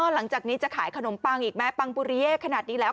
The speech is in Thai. หลังจากนี้จะขายขนมปังอีกไหมปังปุริเย่ขนาดนี้แล้ว